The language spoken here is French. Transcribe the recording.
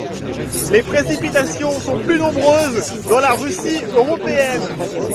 Les précipitations sont plus nombreuses dans la Russie européenne.